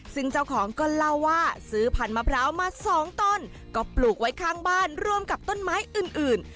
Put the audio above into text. ซึ่งเจ้าของก็เล่าว่าซื้อพันธมะพร้าวมาสองต้นก็ปลูกไว้ข้างบ้านร่วมกับต้นไม้อื่นอื่น